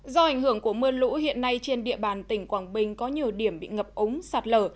do ảnh hưởng của mưa lũ hiện nay trên địa bàn tỉnh quảng bình có nhiều điểm bị ngập ống sạt lở